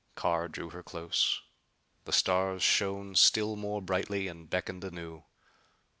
Carr drew her close. The stars shone still more brightly and beckoned anew.